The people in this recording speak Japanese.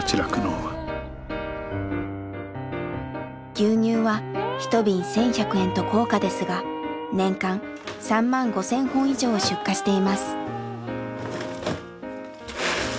牛乳は一瓶１，１００円と高価ですが年間３万５，０００本以上を出荷しています。